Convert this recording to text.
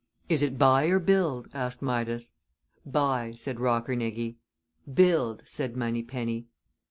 "Is it buy or build?" asked Midas. "Buy," said Rockernegie. "Build," said Moneypenny.